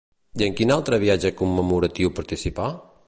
I en quin altre viatge commemoratiu participà?